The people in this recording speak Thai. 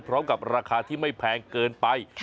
พร้อมกับราคาที่ไม่แพงเกินไป